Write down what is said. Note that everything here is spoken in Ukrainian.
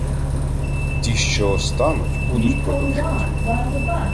Ті, що остануть, будуть продовжать